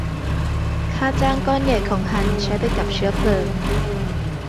ค่าจ้างก้อนใหญ่ของฮันใช้ไปกับเชื้อเพลิง